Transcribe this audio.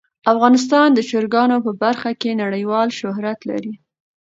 افغانستان د چرګانو په برخه کې نړیوال شهرت لري.